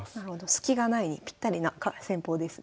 スキがないにぴったりな戦法ですね。